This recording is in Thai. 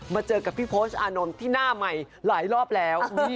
เจอกับพี่โพชอานนท์ที่หน้าใหม่หลายรอบแล้ว